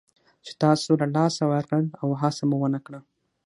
چې تاسو له لاسه ورکړل او هڅه مو ونه کړه.